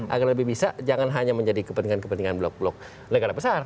agar lebih bisa jangan hanya menjadi kepentingan kepentingan blok blok negara besar